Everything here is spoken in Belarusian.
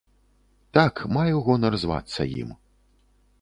Так, маю гонар звацца ім.